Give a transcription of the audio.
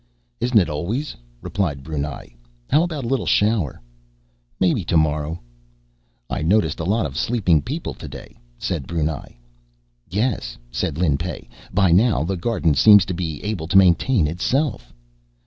"Isn't it always?" replied Brunei. "How about a little shower?" "Maybe tomorrow." "I notice a lot of sleeping people today," said Brunei. "Yes," said Lin Pey. "By now, the garden seems to be able to maintain itself."